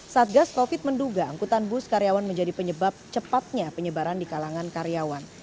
satgas covid menduga angkutan bus karyawan menjadi penyebab cepatnya penyebaran di kalangan karyawan